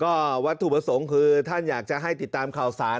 ก็วัตถุประสงค์คือท่านอยากจะให้ติดตามข่าวสาร